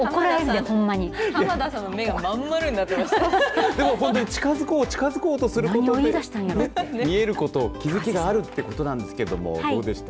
濱田さんの目が近づこう、近づこうということで見えること気付きがあるってことなんですけど、どうでした。